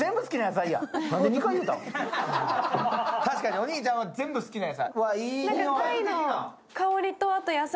確かにお兄ちゃんは全部好きな野菜。